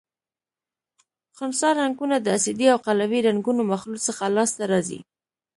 خنثی رنګونه د اسیدي او قلوي رنګونو مخلوط څخه لاس ته راځي.